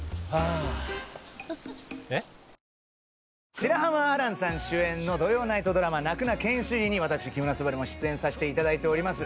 白濱亜嵐さん主演の土曜ナイトドラマ『泣くな研修医』に私木村昴も出演させて頂いております。